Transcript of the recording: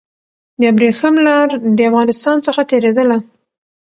د ابريښم لار د افغانستان څخه تېرېدله.